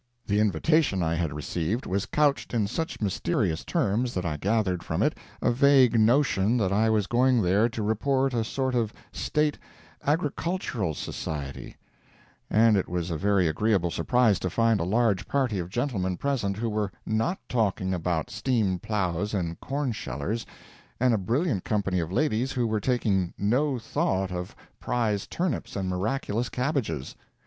The invitation I had received was couched in such mysterious terms that I gathered from it a vague notion that I was going there to report a sort of State Agricultural Society; and it was a very agreeable surprise to find a large party of gentlemen present who were not talking about steam plows and corn shellers, and a brilliant company of ladies who were taking no thought of prize turnips and miraculous cabbages.